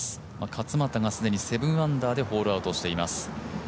勝俣が既に７アンダーでホールアウトしています。